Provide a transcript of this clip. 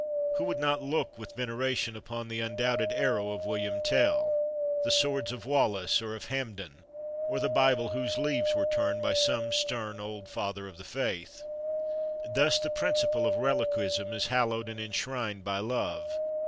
Who would not look with veneration upon the undoubted arrow of William Tell the swords of Wallace or of Hampden or the Bible whose leaves were turned by some stern old father of the faith? Thus the principle of reliquism is hallowed and enshrined by love.